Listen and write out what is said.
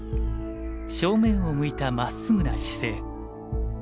正面を向いたまっすぐな姿勢。